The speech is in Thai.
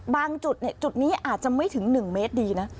บางจุดเนี่ยจุดนี้อาจจะไม่ถึงหนึ่งเมตรดีนะ